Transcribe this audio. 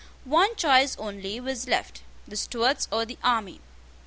One choice only was left, the Stuarts or the army.